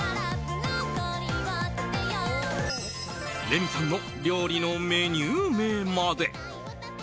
レミさんの料理のメニュー名まで。